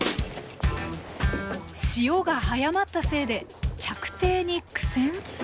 潮が速まったせいで着底に苦戦？